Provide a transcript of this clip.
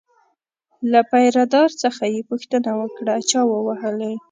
له پیره دار څخه یې پوښتنه وکړه چا ووهلی.